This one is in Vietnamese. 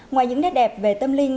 ngoài những nét đẹp về tâm linh